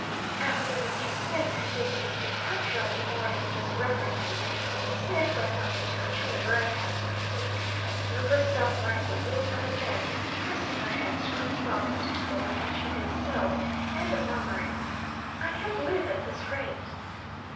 After Mr. Smith had taken his departure on the morning just referred to, Mrs. Smith went up into her chamber, as has been seen, and threw herself languidly upon a bed, pressing her hands to her throbbing temples, as she did so, and murmuring: "I can't live at this rate!"